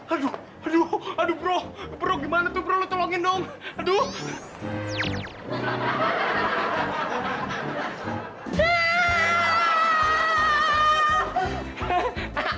aduh aduh aduh bro bro gimana tuh perlu tolongin dong aduh